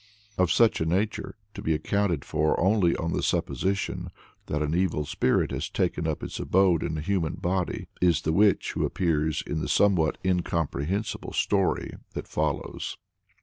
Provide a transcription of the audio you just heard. Of such a nature to be accounted for only on the supposition that an evil spirit has taken up its abode in a human body is the witch who appears in the somewhat incomprehensible story that follows.